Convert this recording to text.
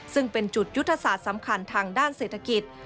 ซึ่งเป็นจุดยุทธศาสตร์สำคัญทางด้านเศรษฐกิจ